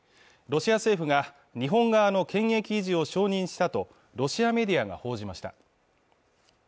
ロシア政府が日本側の権益維持を承認したとロシアメディアが報じました